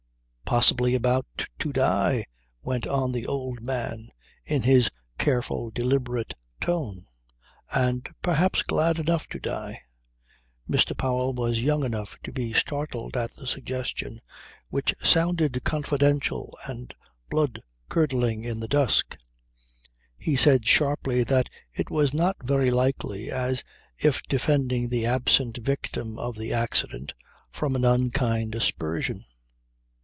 "Possibly about to die," went on the old man, in his careful deliberate tone. "And perhaps glad enough to die." Mr. Powell was young enough to be startled at the suggestion, which sounded confidential and blood curdling in the dusk. He said sharply that it was not very likely, as if defending the absent victim of the accident from an unkind aspersion.